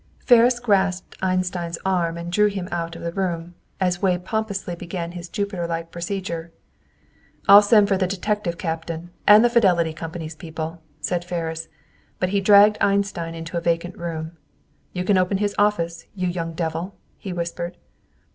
Ferris grasped Einstein's arm and drew him out of the room, as Wade pompously began his Jupiter like procedure. "I'll send for the detective captain, and the Fidelity Company's people," said Ferris; but he dragged Einstein into a vacant room. "You can open his office, you young devil?" he whispered.